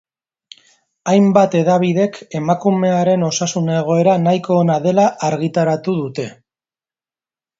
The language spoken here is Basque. Hainbat hedabidek emakumearen osasun egoera nahiko ona dela argitaratu dute.